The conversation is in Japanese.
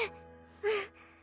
うん。